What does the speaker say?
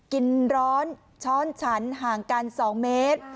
กินร้อนช้อนฉันห่างกัน๒เมตร